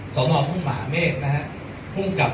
ประวิงเวลาหมายถึงว่าไงครับ